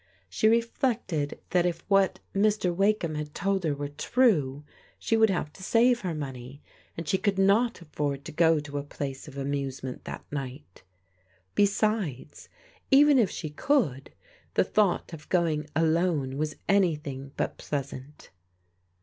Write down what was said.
She reflected that if what Mr. Wakeham had told her were true, she would have to save her money, and she could not afford to go to a place of amusement that night Besides, even if she could, the thought of going alone was anything but pleasant.